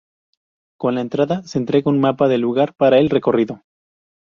Con la entrada se entrega un mapa del lugar para el recorrido.